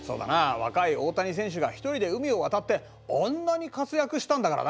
若い大谷選手が一人で海を渡ってあんなに活躍したんだからな。